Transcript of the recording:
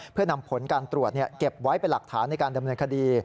เพื่อนำผลการตรวจเก็บไว้เป็นหลักฐานในการดำเนินคดี